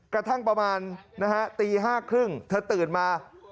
กระทั่งประมาณนะฮะตีห้าครึ่งเธอตื่นมา